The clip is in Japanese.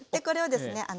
これをですね